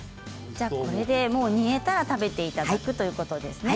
煮えたら食べていただくということですね。